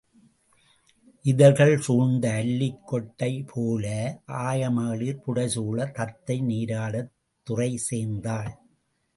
இதழ்கள் சூழ்ந்த அல்லிக் கொட்டைபோல ஆயமகளிர் புடைசூழத் தத்தை நீராடத் துறைசேர்ந்தாள்.